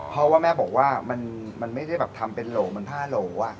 เพราะว่าแม่บอกว่ามันไม่ได้แบบทำเป็นโหลมันผ้าโหล